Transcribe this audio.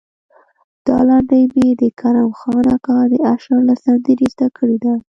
دا لنډۍ مې د کرم خان اکا د اشر له سندرې زده کړې ده.